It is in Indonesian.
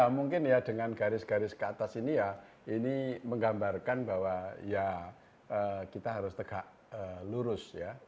mungkin dengan garis garis keatas ini menggambarkan bahwa kita harus tegak lurus ya